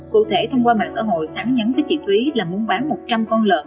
cụ thể thông qua mạng xã hội thắng nhắn với chị thúy là muốn bán một trăm linh con lợn